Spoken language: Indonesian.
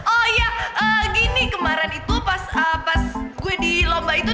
oh iya gini kemarin itu pas gue di lomba itu